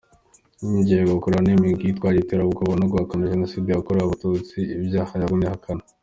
Yagirijwe gukorana n'imigwi yitwaje iterabwoba no guhakana jenocide yakorewe abatutsi, ivyaha yagumye ahakana.